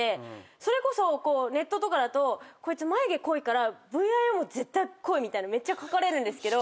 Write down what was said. それこそネットとかだと「こいつ眉毛濃いからＶＩＯも絶対濃い」みたいなめっちゃ書かれるんですけど。